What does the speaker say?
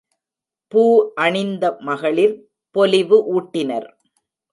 பூ அணிந்த மகளிர் பொலிவு ஊட்டினர்.